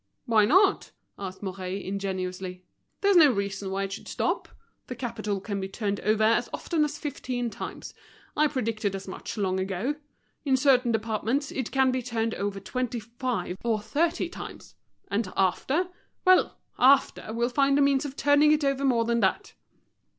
"Why not?" asked Mouret, ingenuously. "There's no reason why it should stop. The capital can be turned over as often as fifteen times. I predicted as much long ago. In certain departments it can be turned over twenty five or thirty times. And after? well! after, we'll find a means of turning it over more than that."